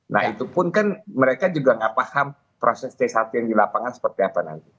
nah itu pun kan mereka juga nggak paham proses c satu yang di lapangan seperti apa nanti